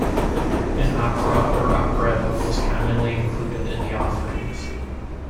An opera or operetta was commonly included in the offerings.